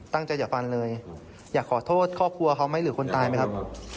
อย่าฟันเลยอยากขอโทษครอบครัวเขาไหมหรือคนตายไหมครับ